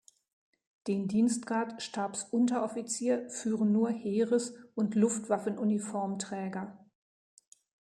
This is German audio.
Den Dienstgrad Stabsunteroffizier führen nur Heeres- und Luftwaffenuniformträger.